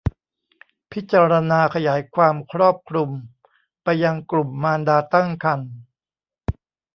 พิจารณาขยายความครอบคลุมไปยังกลุ่มมารดาตั้งครรภ์